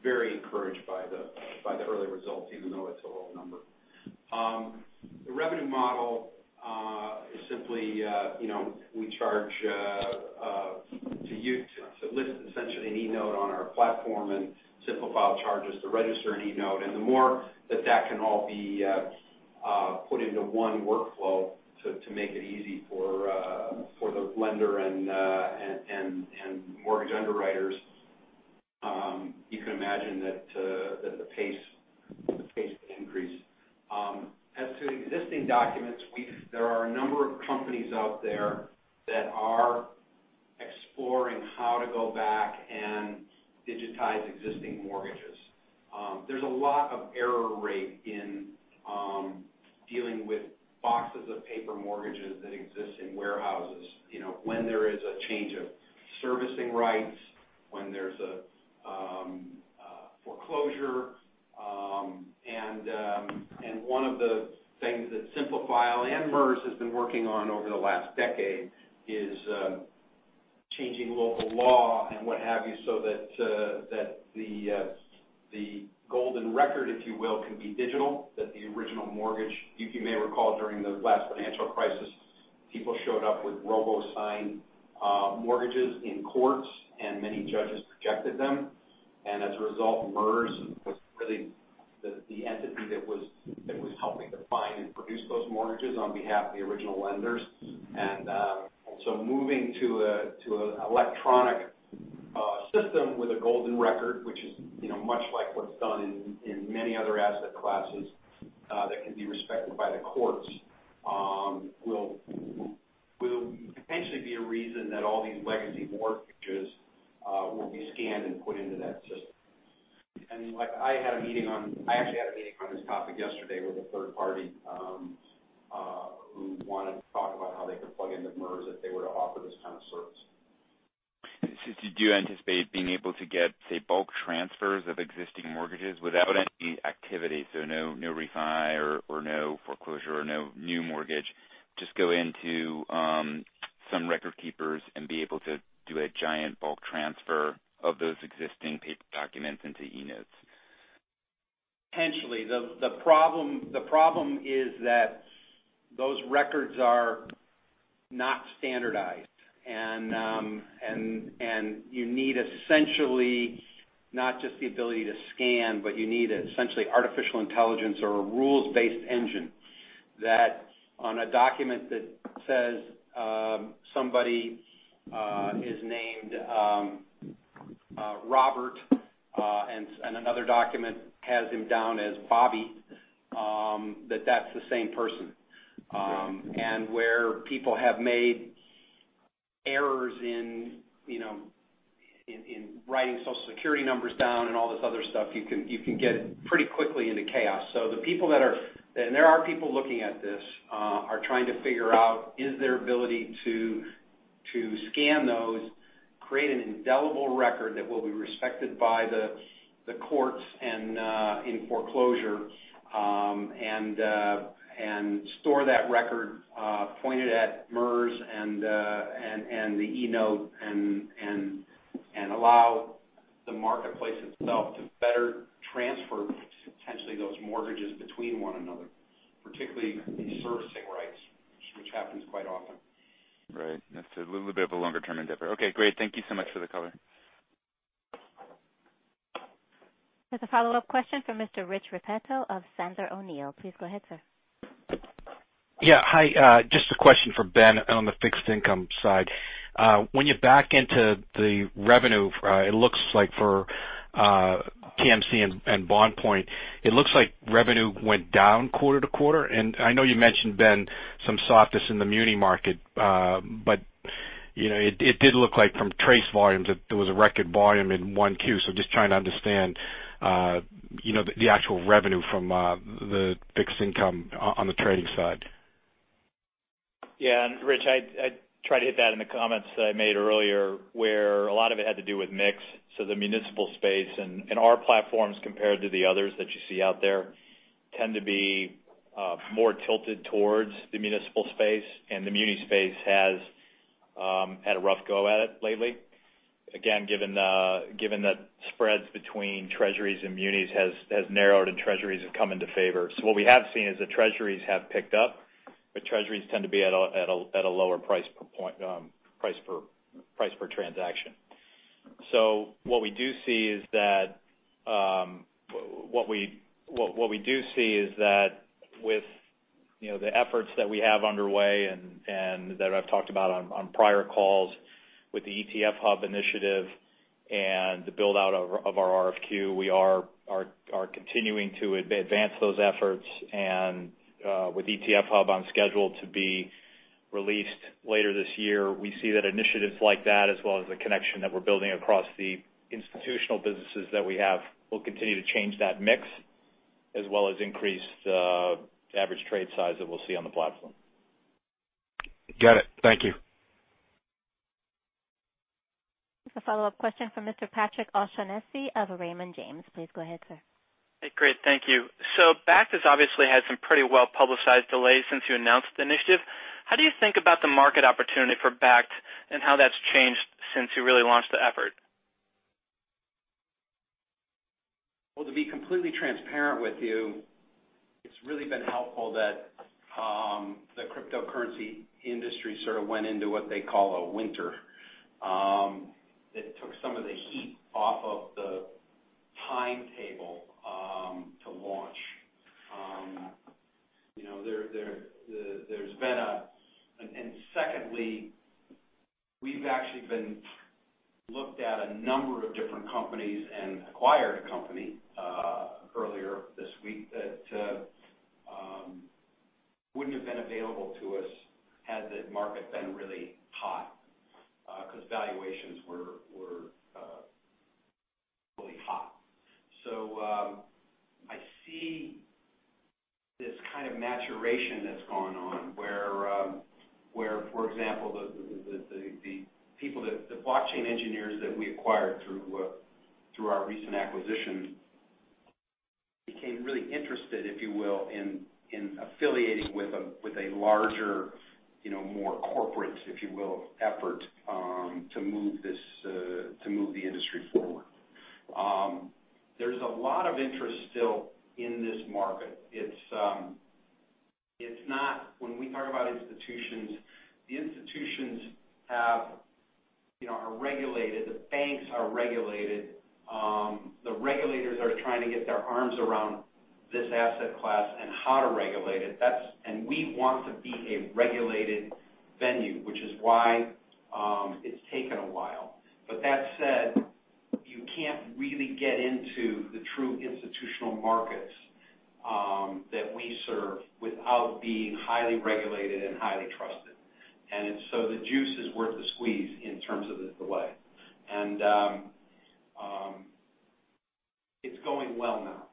very encouraged by the early results, even though it's a low number. The revenue model is simply, we charge to list essentially an eNote on our platform, Simplifile charges to register an eNote. The more that can all be put into one workflow to make it easy for the lender and mortgage underwriters, you can imagine that the pace will increase. As to existing documents, there are a number of companies out there that are exploring how to go back and digitize existing mortgages. There's a lot of error rate in dealing with boxes of paper mortgages that exist in warehouses. When there is a change of servicing rights, when there's a foreclosure, one of the things that Simplifile and MERS has been working on over the last decade is changing local law and what have you, so that the golden record, if you will, can be digital, that the original mortgage. You may recall during the last financial crisis, people showed up with robo-signed mortgages in courts, many judges rejected them. MERS was really the entity that was helping to find and produce those mortgages on behalf of the original lenders. Moving to an electronic system with a golden record, which is much like what's done in many other asset classes that can be respected by the courts, will potentially be a reason that all these legacy mortgages will be scanned and put into that system. I actually had a meeting on this topic yesterday with a third party who wanted to talk about how they could plug into MERS if they were to offer this kind of service. You do anticipate being able to get, say, bulk transfers of existing mortgages without any activity, no refi or no foreclosure or no new mortgage, just go into some record keepers and be able to do a giant bulk transfer of those existing paper documents into eNotes. Potentially. The problem is that those records are not standardized. You need essentially not just the ability to scan, but you need essentially artificial intelligence or a rules-based engine that on a document that says somebody is named Robert and another document has him down as Bobby, that that's the same person. Right. Where people have made errors in writing Social Security numbers down and all this other stuff, you can get pretty quickly into chaos. The people that are, and there are people looking at this, are trying to figure out is there ability to scan those, create an indelible record that will be respected by the courts and in foreclosure, and store that record, point it at MERS and the eNote, and allow the marketplace itself to better- mortgages between one another, particularly the servicing rights, which happens quite often. Right. That's a little bit of a longer-term endeavor. Okay, great. Thank you so much for the color. There's a follow-up question from Mr. Rich Repetto of Sandler O'Neill. Please go ahead, sir. Yeah. Hi. Just a question for Ben on the fixed income side. When you back into the revenue, it looks like for TMC and BondPoint, it looks like revenue went down quarter-to-quarter. I know you mentioned, Ben, some softness in the muni market. It did look like from TRACE volumes, that there was a record volume in 1Q. Just trying to understand the actual revenue from the fixed income on the trading side. Yeah. Rich, I tried to hit that in the comments that I made earlier, where a lot of it had to do with mix. The municipal space and our platforms compared to the others that you see out there, tend to be more tilted towards the municipal space. The muni space has had a rough go at it lately. Again, given that spreads between Treasuries and munis has narrowed and Treasuries have come into favor. What we have seen is the Treasuries have picked up, but Treasuries tend to be at a lower price per transaction. What we do see is that with the efforts that we have underway and that I've talked about on prior calls with the ICE ETF Hub initiative and the build-out of our RFQ, we are continuing to advance those efforts. With ICE ETF Hub on schedule to be released later this year, we see that initiatives like that, as well as the connection that we're building across the institutional businesses that we have, will continue to change that mix, as well as increase the average trade size that we'll see on the platform. Got it. Thank you. A follow-up question from Mr. Patrick O'Shaughnessy of Raymond James. Please go ahead, sir. Hey, great. Thank you. Bakkt has obviously had some pretty well-publicized delays since you announced the initiative. How do you think about the market opportunity for Bakkt and how that's changed since you really launched the effort? Well, to be completely transparent with you, it's really been helpful that the cryptocurrency industry sort of went into what they call a winter. It took some of the heat off of the timetable to launch. Secondly, we've actually looked at a number of different companies and acquired a company earlier this week that wouldn't have been available to us had the market been really hot, because valuations were really hot. I see this kind of maturation that's gone on where, for example, the blockchain engineers that we acquired through our recent acquisition became really interested, if you will, in affiliating with a larger, more corporate, if you will, effort, to move the industry forward. There's a lot of interest still in this market. When we talk about institutions, the institutions are regulated, the banks are regulated. The regulators are trying to get their arms around this asset class and how to regulate it. We want to be a regulated venue, which is why it's taken a while. That said, you can't really get into the true institutional markets that we serve without being highly regulated and highly trusted. The juice is worth the squeeze in terms of the delay. It's going well now.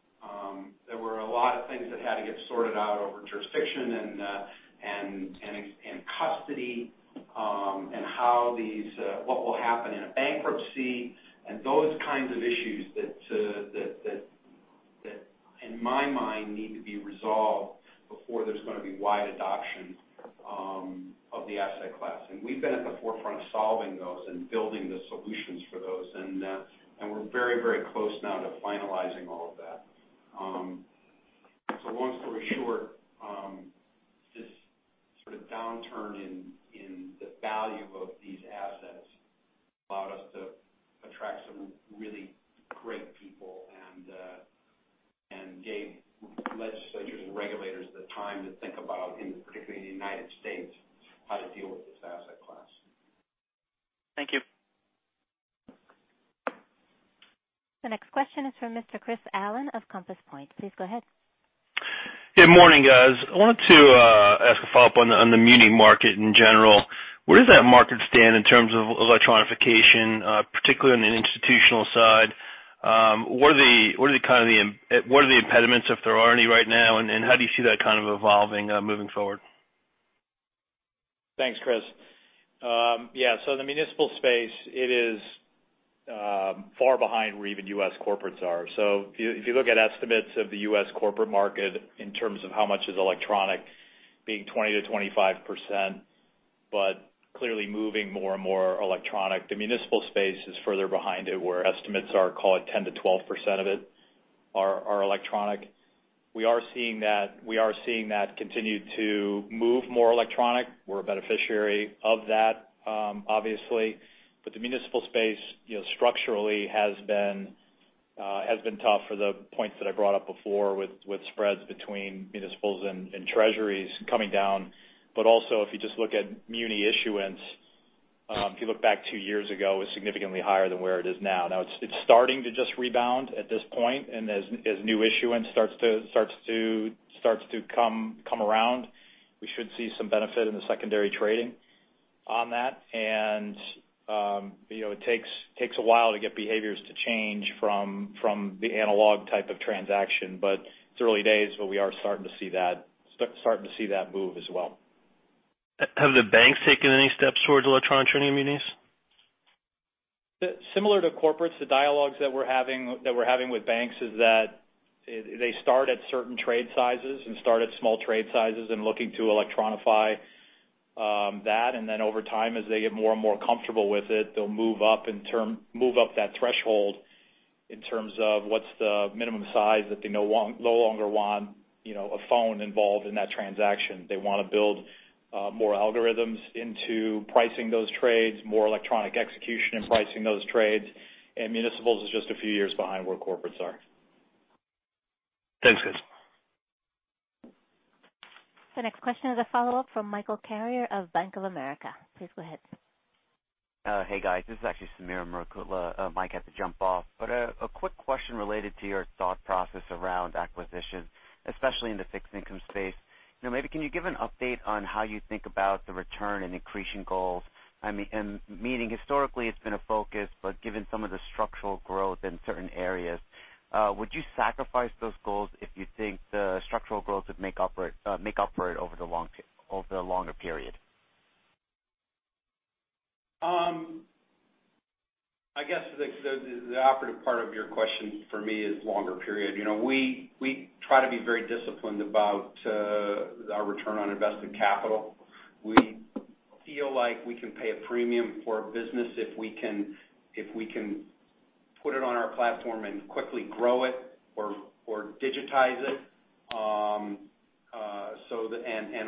There were a lot of things that had to get sorted out over jurisdiction and custody, and what will happen in a bankruptcy and those kinds of issues that in my mind need to be resolved before there's going to be wide adoption of the asset class. We've been at the forefront of solving those and building the solutions for those. We're very close now to finalizing all of that. Long story short, this sort of downturn in the value of these assets allowed us to attract some really great people and gave legislators and regulators the time to think about, particularly in the U.S., how to deal with this asset class. Thank you. The next question is from Mr. Chris Allen of Compass Point. Please go ahead. Good morning, guys. I wanted to ask a follow-up on the muni market in general. Where does that market stand in terms of electronification, particularly on the institutional side? What are the impediments, if there are any right now, and how do you see that kind of evolving moving forward? Thanks, Chris. Yeah, the municipal space, it is far behind where even U.S. corporates are. If you look at estimates of the U.S. corporate market in terms of how much is electronic, being 20%-25%. Clearly moving more and more electronic. The municipal space is further behind it, where estimates are call it 10%-12% of it are electronic. We are seeing that continue to move more electronic. We're a beneficiary of that obviously. The municipal space structurally has been tough for the points that I brought up before with spreads between municipals and treasuries coming down. Also if you just look at muni issuance, if you look back two years ago, it was significantly higher than where it is now. Now it's starting to just rebound at this point, and as new issuance starts to come around, we should see some benefit in the secondary trading on that. It takes a while to get behaviors to change from the analog type of transaction, but it's early days, but we are starting to see that move as well. Have the banks taken any steps towards electronic trading munis? Similar to corporates, the dialogues that we're having with banks is that they start at certain trade sizes and start at small trade sizes and looking to electronify that, then over time, as they get more and more comfortable with it, they'll move up that threshold in terms of what's the minimum size that they no longer want a phone involved in that transaction. They want to build more algorithms into pricing those trades, more electronic execution and pricing those trades, and municipals is just a few years behind where corporates are. Thanks, guys. The next question is a follow-up from Michael Carrier of Bank of America. Please go ahead. Hey, guys. This is actually Sameer Murukutla. Mike had to jump off. A quick question related to your thought process around acquisition, especially in the fixed income space. Maybe can you give an update on how you think about the return and accretion goals? Meaning, historically, it's been a focus, but given some of the structural growth in certain areas, would you sacrifice those goals if you think the structural growth would make up for it over the longer period? I guess the operative part of your question for me is longer period. We try to be very disciplined about our return on invested capital. We feel like we can pay a premium for a business if we can put it on our platform and quickly grow it or digitize it.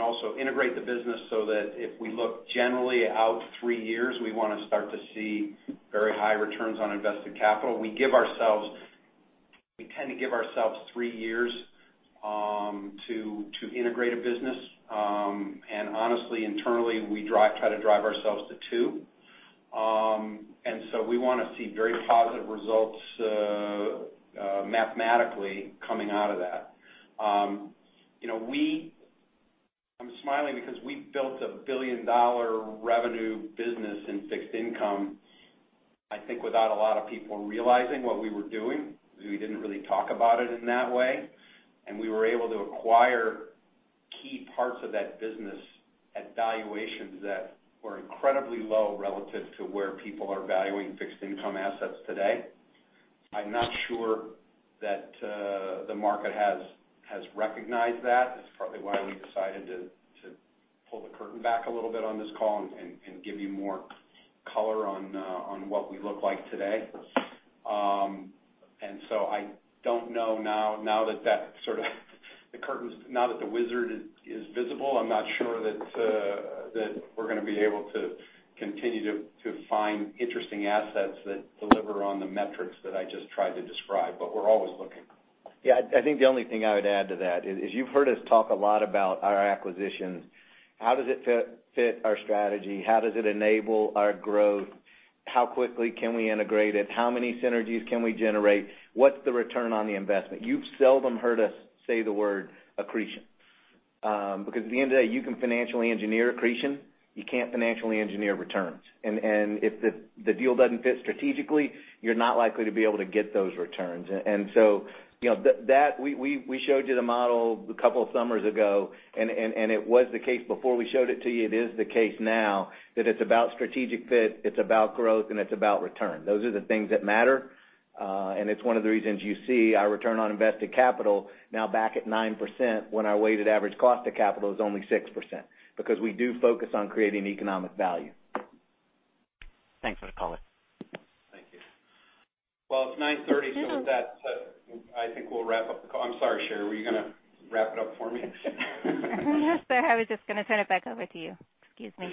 Also integrate the business so that if we look generally out three years, we want to start to see very high returns on invested capital. We tend to give ourselves three years to integrate a business. Honestly, internally, we try to drive ourselves to two. So we want to see very positive results mathematically coming out of that. I'm smiling because we built a billion-dollar revenue business in fixed income, I think, without a lot of people realizing what we were doing because we didn't really talk about it in that way. We were able to acquire key parts of that business at valuations that were incredibly low relative to where people are valuing fixed income assets today. I'm not sure that the market has recognized that. That's probably why we decided to pull the curtain back a little bit on this call and give you more color on what we look like today. So I don't know now that the curtain's now that the wizard is visible, I'm not sure that we're going to be able to continue to find interesting assets that deliver on the metrics that I just tried to describe. We're always looking. Yeah, I think the only thing I would add to that is you've heard us talk a lot about our acquisitions. How does it fit our strategy? How does it enable our growth? How quickly can we integrate it? How many synergies can we generate? What's the return on the investment? You've seldom heard us say the word accretion. Because at the end of the day, you can financially engineer accretion. You can't financially engineer returns. If the deal doesn't fit strategically, you're not likely to be able to get those returns. We showed you the model a couple of summers ago, and it was the case before we showed it to you, it is the case now that it's about strategic fit, it's about growth, and it's about return. Those are the things that matter. It's one of the reasons you see our return on invested capital now back at 9% when our weighted average cost of capital is only 6%. We do focus on creating economic value. Thanks for the color. Thank you. Well, it's 9:30 A.M., with that, I think we'll wrap up the call. I'm sorry, Sheree, were you going to wrap it up for me? Yes, sir. I was just going to turn it back over to you. Excuse me.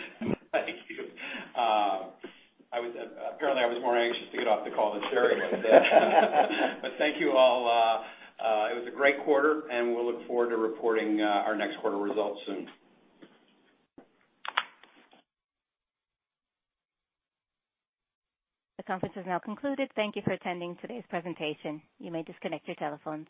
Thank you. Apparently, I was more anxious to get off the call than Sheree was. Thank you all. It was a great quarter, and we'll look forward to reporting our next quarter results soon. The conference has now concluded. Thank you for attending today's presentation. You may disconnect your telephones.